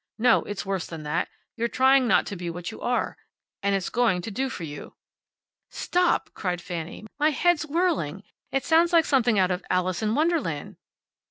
No, it's worse than that. You're trying not to be what you are. And it's going to do for you." "Stop!" cried Fanny. "My head's whirling. It sounds like something out of `Alice in Wonderland.'"